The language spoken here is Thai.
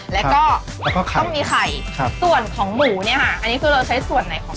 แล้วก็ต้องมีไข่ครับส่วนของหมูเนี่ยค่ะอันนี้คือเราใช้ส่วนไหนของ